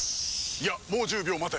いやもう１０秒待て。